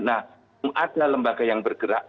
nah ada lembaga yang bergerak